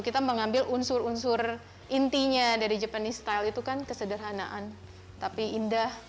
kita mengambil unsur unsur intinya dari japanese style itu kan kesederhanaan tapi indah